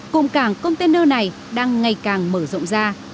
cụm cảng container này đang ngày càng mở rộng ra